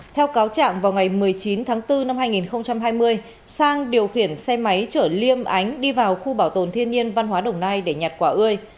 theo cáo trạng vào ngày một mươi chín tháng bốn năm hai nghìn hai mươi sang điều khiển xe máy chở liêm ánh đi vào khu bảo tồn thiên nhiên văn hóa đồng nai để nhặt quả ươi